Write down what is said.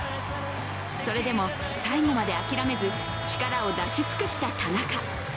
それでも最後まで諦めず力を出し尽くした田中。